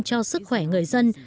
cho sức khỏe người dân